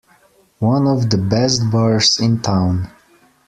One of the best bars in town.